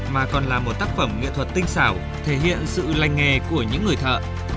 mà còn là một tác phẩm nghệ thuật tinh xảo thể hiện sự lành nghề của những người thợ